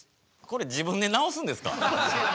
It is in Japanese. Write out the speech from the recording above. これ自分でなおすんですか？